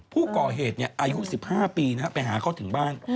ผู้ก่อเหตุอายุ๑๕ปีไปหาเขาถึงบ้าน